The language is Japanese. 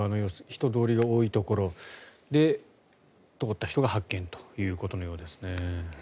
人通りが多いところで通った人が発見ということですね。